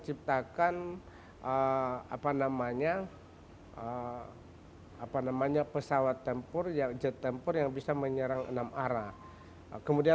ketika saya mempresentasikan bagaimana produk teknologi canggih di laun why russian